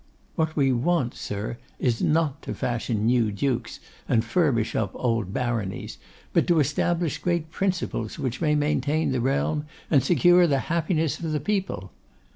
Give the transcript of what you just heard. What we want, sir, is not to fashion new dukes and furbish up old baronies, but to establish great principles which may maintain the realm and secure the happiness of the people.